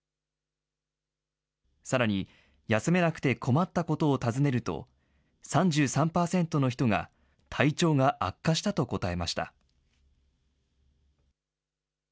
さらに、休めなくて困ったことを尋ねると、３３％の人が体調が悪化したと答えました。